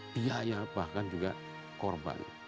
biaya bahkan juga korban